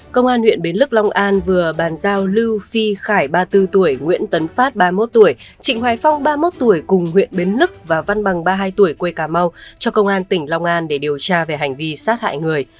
công an huyện bến lức long an vừa bàn giao lưu phi khải ba mươi bốn tuổi nguyễn tấn phát ba mươi một tuổi trịnh hoài phong ba mươi một tuổi cùng huyện bến lức và văn bằng ba mươi hai tuổi quê cà mau cho công an tỉnh long an để điều tra về hành vi sát hại người